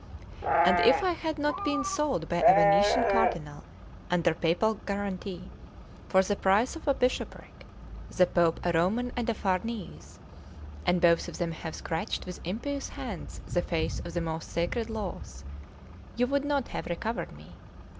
And if I had not been sold by a Venetian Cardinal, under Papal guarantee, for the price of a bishopric, the Pope a Roman and a Farnese (and both of them have scratched with impious hands the face of the most sacred laws), you would not have recovered me.